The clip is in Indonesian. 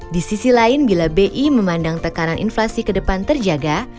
di sisi lain bila bi memandang tekanan inflasi ke depan terjaga